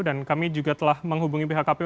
dan kami juga telah menghubungi pihak kpu